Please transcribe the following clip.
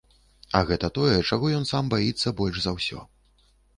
А гэта тое, чаго ён сам баіцца больш за ўсё.